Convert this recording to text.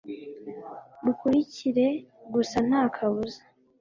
rukurikire gusa nta kabuza